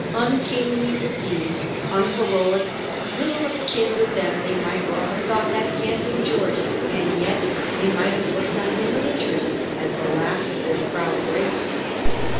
Un kingly, indeed unheroic, little of kin with them they might well have thought that panting George; and yet they might have looked on him with interest as the last of their proud race.